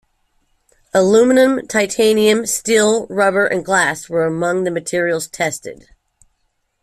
Aluminum, titanium, steel, rubber and glass were among the materials tested.